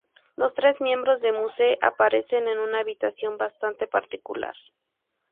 Los tres miembros de Muse aparecen en una habitación bastante particular.